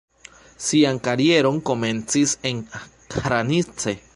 Sian karieron komencis en Hranice.